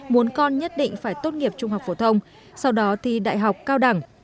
muốn con nhất định phải tốt nghiệp trung học phổ thông sau đó thì đại học cao đẳng